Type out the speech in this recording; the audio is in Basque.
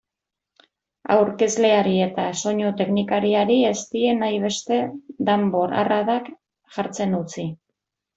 Aurkezleari eta soinu-teknikariari ez die nahi beste danbor-arradak jartzen utzi.